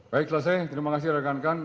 baik selesai terima kasih rekan rekan